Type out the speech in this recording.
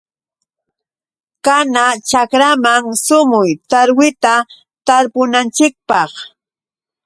Kana chakraman sumuy. Tarwita tarpunanchikpaq.